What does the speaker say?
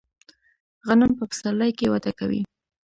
غنم په پسرلي کې وده کوي.